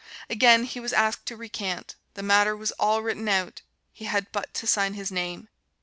Again he was asked to recant the matter was all written out he had but to sign his name.